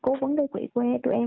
cố vấn đề quỹ của tụi em